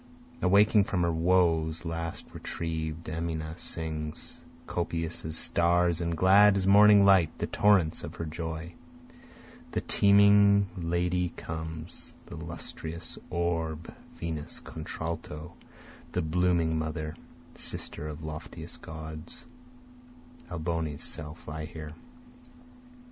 Awaking from her woes at last retriev'd Amina sings, Copious as stars and glad as morning light the torrents of her joy. (The teeming lady comes, The lustrious orb, Venus contralto, the blooming mother, Sister of loftiest gods, Alboni's self I hear.)